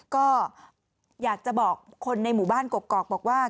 ก็อยากจะบอกคนในหมู่บ้านกกอกบอกว่า